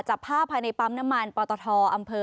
จับภาพภายในปั๊มน้ำมันปตทอำเภอ